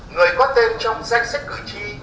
người có tên trong danh sách cử tri